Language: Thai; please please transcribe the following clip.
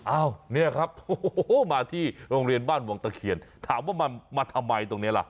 อ้าวเนี่ยครับโอ้โหมาที่โรงเรียนบ้านวังตะเคียนถามว่ามาทำไมตรงนี้ล่ะ